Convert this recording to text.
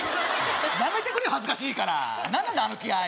やめてくれよ、恥ずかしいから、何なんだあの気合い。